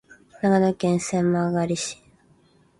長野県千曲市